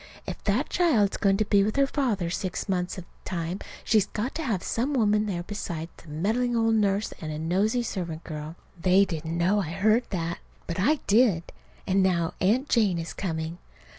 "If that child is going to be with her father six months of the time, she's got to have some woman there beside a meddling old nurse and a nosey servant girl!" They didn't know I heard that. But I did. And now Aunt Jane is coming.